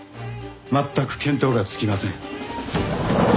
全く見当がつきません。